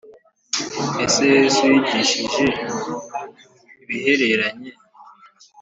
Ese Yesu yigishije ibihereranye